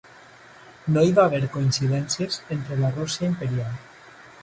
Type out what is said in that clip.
No hi va haver coincidències entre la Rússia Imperial.